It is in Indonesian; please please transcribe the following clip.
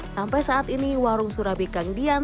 sampai saat ini warung surabikangdian